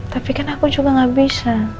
tapi kan aku juga gak bisa